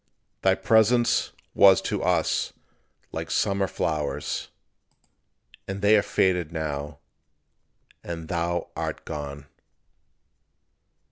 Thy presence was to us like summer flowers; And they are faded now; and thou art gone.